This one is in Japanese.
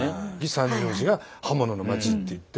三条市が刃物の町っていって。